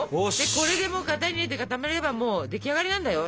これでもう型に入れて固めればもう出来上がりなんだよ。